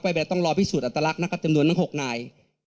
แบบต้องรอพิสูจนอัตลักษณ์นะครับจำนวนทั้ง๖นาย